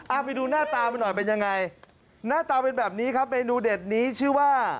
เอาไปดูหน้าตามันหน่อยเป็นยังไงหน้าตาเป็นแบบนี้ครับเมนูเด็ดนี้ชื่อว่า